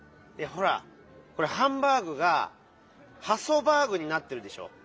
いやほら「ハンバーグ」が「ハソバーグ」になってるでしょ？